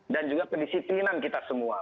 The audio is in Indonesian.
juga kedisiplinan kita semua